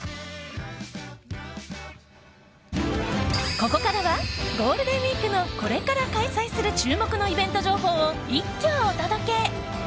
ここからはゴールデンウィークのこれから開催する注目のイベント情報を一挙お届け。